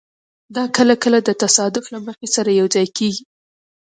دا کله کله د تصادف له مخې سره یوځای کېږي.